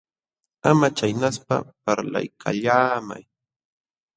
Ama chaynaspa, parlaykallaamay.